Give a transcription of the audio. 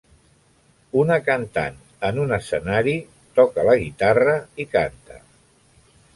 Una cantant en un escenari toca la guitarra i canta.